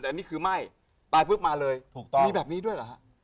แต่อันนี้คือไม่ตายปุ๊บมาเลยถูกต้องมีแบบนี้ด้วยเหรอฮะ